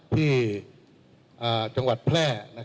ที่จังหวัดแพร่